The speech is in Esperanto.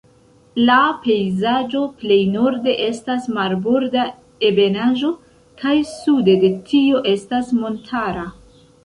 La pejzaĝo plej norde estas marborda ebenaĵo, kaj sude de tio estas montara.